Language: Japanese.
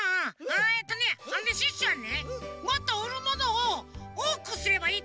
えっとねシュッシュはねもっとうるものをおおくすればいいとおもうんだよね。